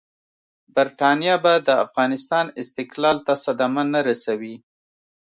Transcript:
برټانیه به د افغانستان استقلال ته صدمه نه رسوي.